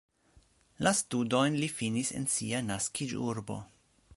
La studojn li finis en sia naskiĝurbo.